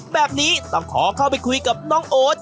แบบนี้ต้องขอเข้าไปคุยกับน้องโอ๊ต